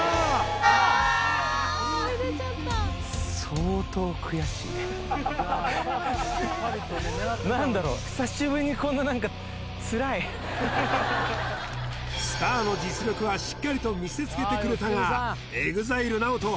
あーっはみ出ちゃった何だろう久しぶりにこんな何かつらいスターの実力はしっかりと見せつけてくれたがＥＸＩＬＥＮＡＯＴＯ